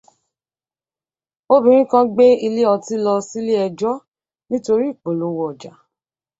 Obìnrin kan gbé ilé ọtí lọ silé ẹjọ́ nítorí ìpolówó ọjà